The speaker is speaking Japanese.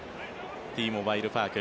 Ｔモバイル・パーク。